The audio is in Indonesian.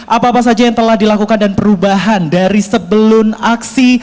apa apa saja yang telah dilakukan dan perubahan dari sebelum aksi